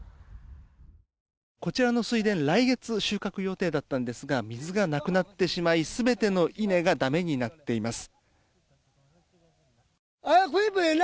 こちらの水田来月収穫予定だったんですが水がなくなってしまい全ての稲がだめになっています。